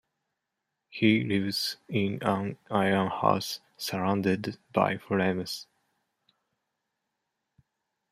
He lives in an iron house surrounded by flames.